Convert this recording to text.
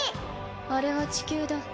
あれは地球だ